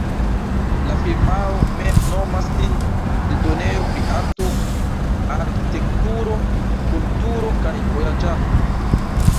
La firmao mem nomas sin "eldonejo pri arto, arkitekturo, kulturo kaj vojaĝado".